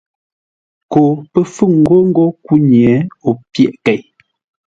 Ko pə́ fúŋ ghó ńgó kúnye, o pyéʼ kei.